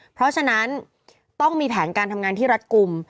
เพราะฉะนั้นต้องมีแผนการทำงานที่รัฐกลุ่ม